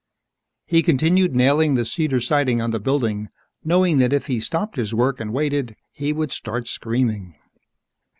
He had continued nailing the cedar siding on the building, knowing that if he stopped his work and waited, he would start screaming.